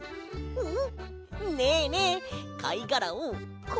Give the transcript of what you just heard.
うん！